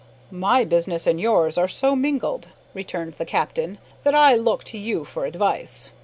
"My business and yours are so mingled," returned the captain, "that I look to you for advice.